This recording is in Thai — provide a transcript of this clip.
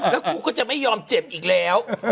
แล้วกูก็จะไม่ยอมเจ็บอีกแล้ว